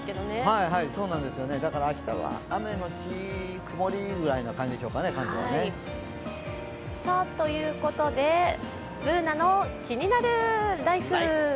明日は、関東は雨のち曇りという感じですかね。ということで「ＢｏｏｎａのキニナルＬＩＦＥ」。